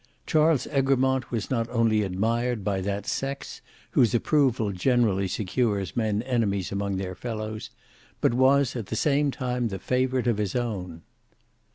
Charles Egremont was not only admired by that sex, whose approval generally secures men enemies among their fellows, but was at the same time the favourite of his own.